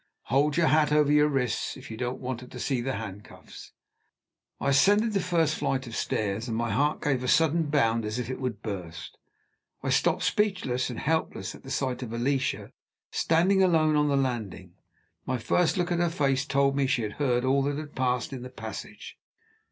Hold your hat over your wrists, if you don't want her to see the handcuffs." I ascended the first flight of stairs, and my heart gave a sudden bound as if it would burst. I stopped, speechless and helpless, at the sight of Alicia, standing alone on the landing. My first look at her face told me she had heard all that had passed in the passage.